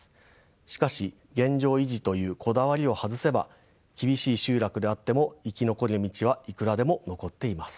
しかし現状維持というこだわりを外せば厳しい集落であっても生き残りの道はいくらでも残っています。